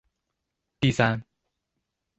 第三